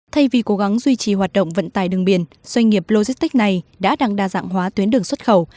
thay vì cố gắng duy trì hoạt động vận tài đường biển doanh nghiệp logistics này đã đang đa dạng hóa tuyến đường xuất khẩu